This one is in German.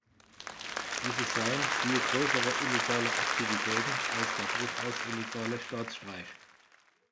Diese seien „viel größere illegale Aktivitäten“ als der durchaus illegale Staatsstreich.